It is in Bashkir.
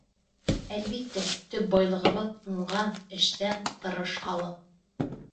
Әлбиттә, төп байлығыбыҙ — уңған, эшсән, тырыш халыҡ.